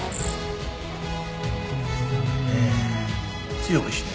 強くして。